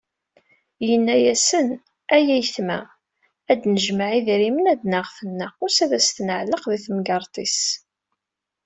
Yenna-asen: "Ay ayetma, ad d-nejmeε idrimen, ad d-naɣet naqqus, ad as-t-nεelleq di temgerḍt-is."